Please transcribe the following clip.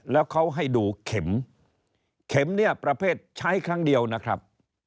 แล้วเขาให้ดูเข็มเข็มเนี่ยประเภทใช้ครั้งเดียวนะครับ